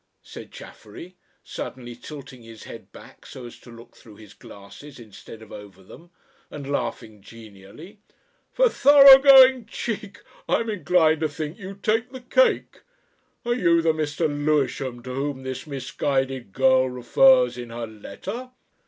said Chaffery, suddenly tilting his head back so as to look through his glasses instead of over them, and laughing genially. "For thoroughgoing Cheek, I'm inclined to think you take the Cake. Are you the Mr. Lewisham to whom this misguided girl refers in her letter?"